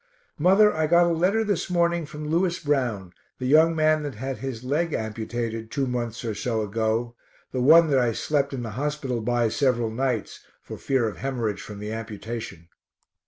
Mother, I got a letter this morning from Lewis Brown, the young man that had his leg amputated two months or so ago (the one that I slept in the hospital by several nights for fear of hemorrhage from the amputation).